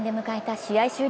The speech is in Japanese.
試合終了